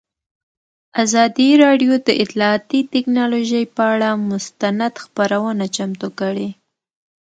ازادي راډیو د اطلاعاتی تکنالوژي پر اړه مستند خپرونه چمتو کړې.